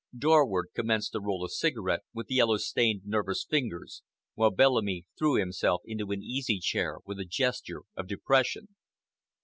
Dorward commenced to roll a cigarette with yellow stained, nervous fingers, while Bellamy threw himself into an easy chair with a gesture of depression.